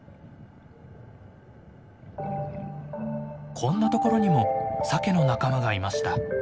こんなところにもサケの仲間がいました。